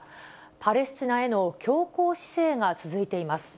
パレスチナへの強硬姿勢が続いています。